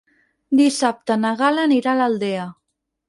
Dissabte na Gal·la anirà a l'Aldea.